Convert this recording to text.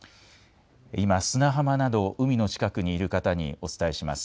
今、砂浜など海の近くにいる方にお伝えします。